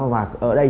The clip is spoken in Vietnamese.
và ở đây